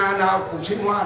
cho đến nhà nào cũng sinh hoạt